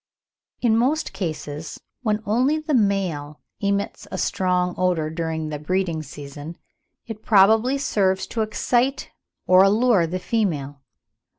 In most cases, when only the male emits a strong odour during the breeding season, it probably serves to excite or allure the female.